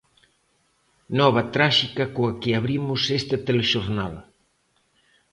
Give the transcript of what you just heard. Nova tráxica coa que abrimos este telexornal.